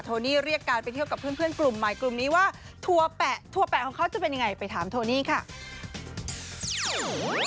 โทนี่เรียกการไปเที่ยวกับเพื่อนกลุ่มใหม่กลุ่มนี้ว่า